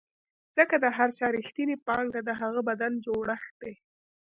ځکه د هر چا رښتینې پانګه د هغه بدن جوړښت دی.